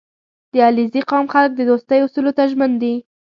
• د علیزي قوم خلک د دوستۍ اصولو ته ژمن دي.